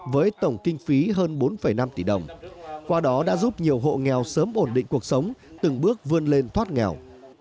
với tổng kinh phí hơn bốn năm tỷ đồng qua đó đã giúp nhiều hộ nghèo sớm ổn định cuộc sống từng bước vươn lên thoát nghèo